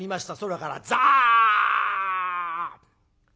空からザッ！